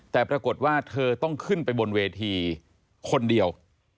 แต่ปรากฏว่าเธอต้องขึ้นไปบนเวทีคนเดียว